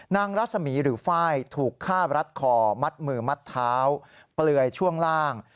รัศมีร์หรือไฟล์ถูกฆ่ารัดคอมัดมือมัดเท้าเปลือยช่วงล่าง